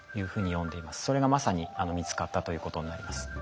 それがまさに見つかったということになります。